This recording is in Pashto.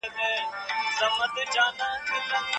که ټولنه ساده ژوند غوره کړي، نو اقتصادي فشار نه زیاتیږي.